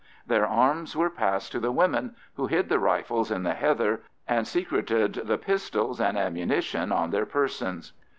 Their arms were passed to the women, who hid the rifles in the heather and secreted the pistols and ammunition on their persons.